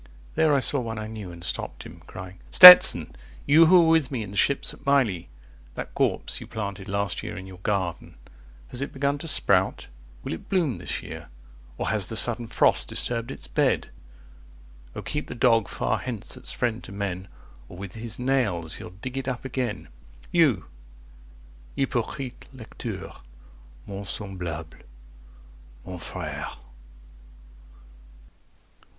There I saw one I knew, and stopped him, crying "Stetson! You who were with me in the ships at Mylae! 70 That corpse you planted last year in your garden, Has it begun to sprout? Will it bloom this year? Or has the sudden frost disturbed its bed? Oh keep the Dog far hence, that's friend to men, Or with his nails he'll dig it up again! 75 You! hypocrite lecteur!—mon semblable,—mon frère!"